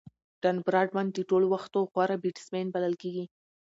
ډان براډمن د ټولو وختو غوره بيټسمېن بلل کیږي.